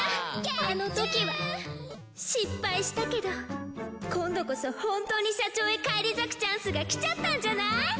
ミミ：あのときは失敗したけど今度こそ本当に社長へ返り咲くチャンスがきちゃったんじゃない？